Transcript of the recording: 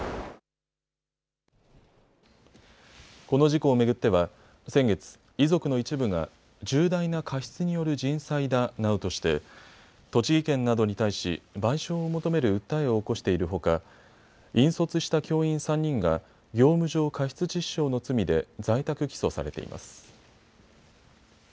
この事故を巡っては先月、遺族の一部が重大な過失による人災だなどとして栃木県などに対し賠償を求める訴えを起こしているほか引率した教員３人が業務上過失致死傷の罪で在宅起訴されています。